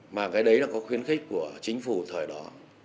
mà cái đấy là có khuyến khích của chính phủ thời đó